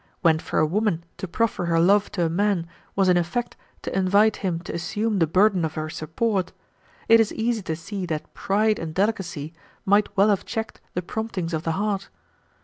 When for a woman to proffer her love to a man was in effect to invite him to assume the burden of her support, it is easy to see that pride and delicacy might well have checked the promptings of the heart.